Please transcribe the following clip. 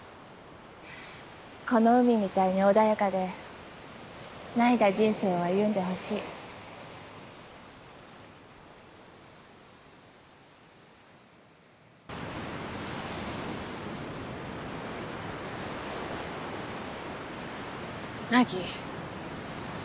この海みたいに穏やかで凪いだ人生を歩んでほしい凪。